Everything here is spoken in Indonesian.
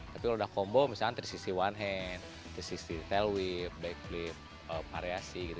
tapi kalau udah combo misalkan tersisi one hand tersisi tail whip backflip variasi gitu